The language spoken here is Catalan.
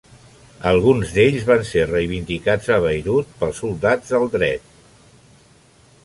Alguns d'ells van ser reivindicats a Beirut pels Soldats del Dret.